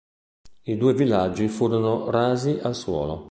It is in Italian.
I due villaggi furono rasi al suolo.